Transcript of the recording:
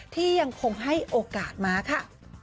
ที่ยังคงให้โอกาสมาค่ะ